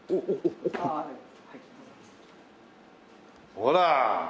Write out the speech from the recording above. ほら！